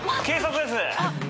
警察です。